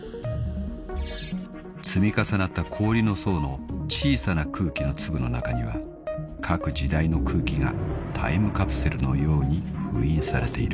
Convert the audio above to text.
［積み重なった氷の層の小さな空気の粒の中には各時代の空気がタイムカプセルのように封印されている］